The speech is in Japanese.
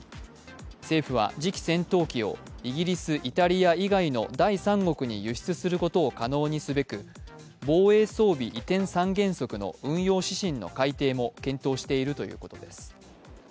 政府は次期戦闘機をイギリスイタリア以外の第三国に輸出することを可能にすべく、防衛装備移転三原則の運用指針の改定も検討しているということです。